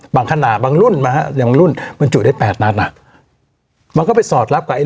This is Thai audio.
ขนาดบางรุ่นนะฮะอย่างบางรุ่นมันจุได้แปดนัดอ่ะมันก็ไปสอดรับกับไอ้